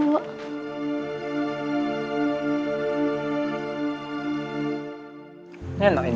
ibu ini ada yang mau dikawal